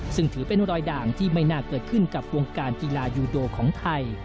ซึ่งถือเป็นรอยด่างที่ไม่น่าเกิดขึ้นกับวงการกีฬายูโดของไทย